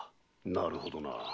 なるほどな。